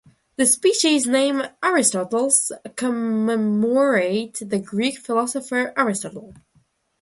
The species name "aristotelis" commemorates the Greek philosopher Aristotle.